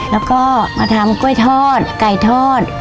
แล้วก็มาทำกล้วยทอดไก่ทอด